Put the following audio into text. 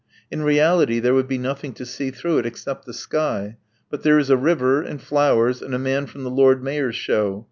In reality there would be nothing to see through it except the sky. But there is a river, and flowers, and a man from the Lord Mayor's show.